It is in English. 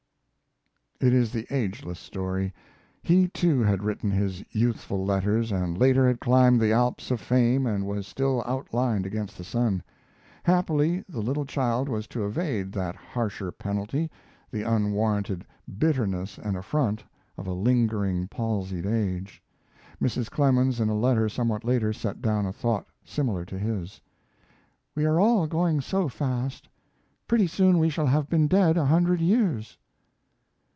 It is the ageless story. He too had written his youthful letters, and later had climbed the Alps of fame and was still outlined against the sun. Happily, the little child was to evade that harsher penalty the unwarranted bitterness and affront of a lingering, palsied age. Mrs. Clemens, in a letter somewhat later, set down a thought similar to his: "We are all going so fast. Pretty soon we shall have been dead a hundred years."